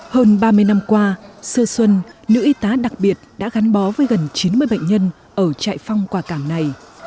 hơn ba mươi năm qua sơ xuân nữ y tá đặc biệt đã gắn bó với gần chín mươi bệnh nhân ở trại phong quả cảm này